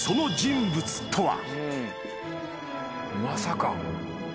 まさか。